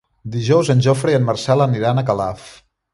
Dijous en Jofre i en Marcel aniran a Calaf.